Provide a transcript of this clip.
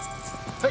はい。